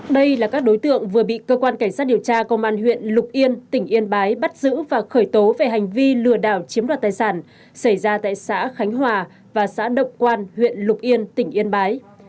đây là các đối tượng vừa bị cơ quan cảnh sát điều tra công an huyện lục yên tỉnh yên bái bắt giữ và khởi tố về hành vi lừa đảo chiếm đoạt tài sản xảy ra tại xã khánh hòa và xã động quan huyện lục yên tỉnh yên bái